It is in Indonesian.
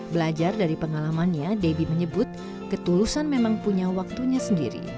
belajar dari pengalamannya debbie menyebut ketulusan memang punya waktunya sendiri